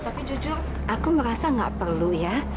tapi jujur aku merasa gak perlu ya